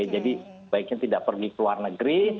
jadi baiknya tidak pergi ke luar negeri